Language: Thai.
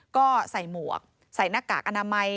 ก็ใส่หมวกใส่หน้ากากอนามัย